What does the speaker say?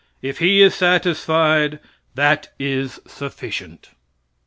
If He is satisfied, that is sufficient.